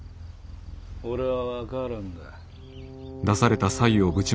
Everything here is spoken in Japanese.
俺は分かるんだ。